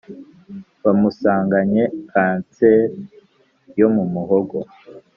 bamusanganye cancer yomumuhogo;